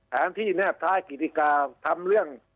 แถมที่แนบท้ายกิจกรรมทำเรื่อง